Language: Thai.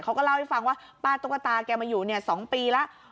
เขาก็เล่าให้ฟังว่าป้าตุ๊กตาแกมาอยู่๒ปีแล้ว